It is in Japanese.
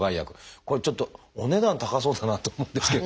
これちょっとお値段高そうだなと思うんですけどもいかがですか？